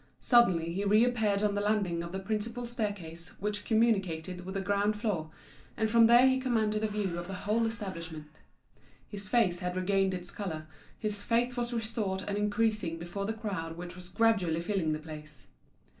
Suddenly he reappeared on the landing of the principal staircase which communicated with the ground floor; and from there he commanded a view of the whole establishment. His face had regained its colour, his faith was restored and increasing before the crowd which was gradually filling the place.